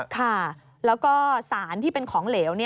ค่ะแล้วก็สารที่เป็นของเหลว